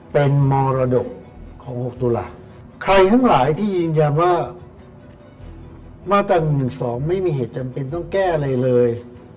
เป็นมรดกของ๖ตุลาใครทั้งหลายที่ยืนยันว่ามาตรา๑๑๒ไม่มีเหตุจำเป็นต้องแก้อะไรเลย